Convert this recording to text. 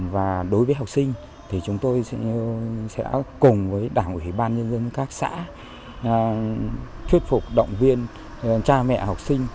và đối với học sinh thì chúng tôi sẽ cùng với đảng ủy ban nhân dân các xã thuyết phục động viên cha mẹ học sinh